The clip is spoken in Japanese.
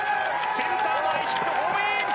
センター前ヒットホームイン！